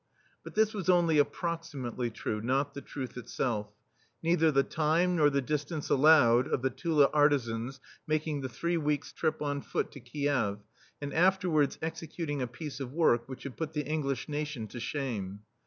But this was only approximately true, not the truth itself. Neither the time nor the distance allowed of the Tula artisans making the three weeks* trip on foot to KiefF, and afterwards executing a piece of work which should put the English nation to shame.